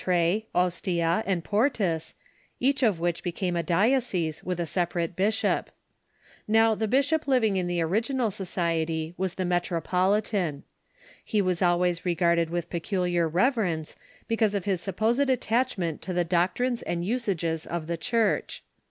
ie, Ostia, and Portus, each of which became a diocese, Avith a separate bishop. Now, the bishop living in the original society was the metropolitan. He was always regarded with peculiar reverence, because of his supposed attachment to the doctrines and usages of the Church.